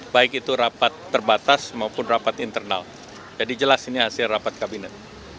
baik itu rapat terbatas maupun rapat internal jadi jelas ini hasil rapat kabinet